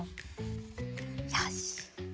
よし。